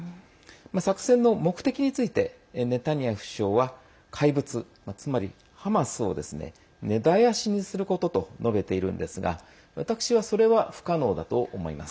作戦の目的についてネタニヤフ首相は怪物、つまりハマスを根絶やしにすることと述べているんですが私は、それは不可能だと思います。